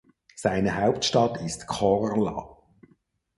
Seine Hauptstadt ist Korla.